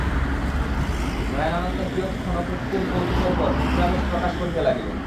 নয়নানন্দ কিয়ৎ ক্ষণ কৃত্রিম কৌতুকের পর নিদ্রাবেশ প্রকাশ করিতে লাগিল।